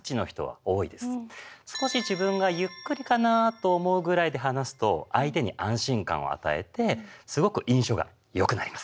少し自分がゆっくりかなと思うぐらいで話すと相手に安心感を与えてすごく印象が良くなります。